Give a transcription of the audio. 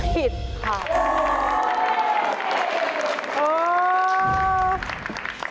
ผิดค่ะ